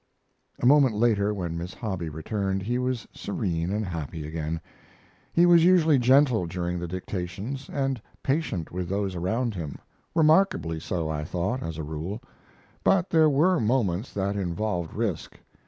A moment later, when Miss Hobby returned, he was serene and happy again. He was usually gentle during the dictations, and patient with those around him remarkably so, I thought, as a rule. But there were moments that involved risk.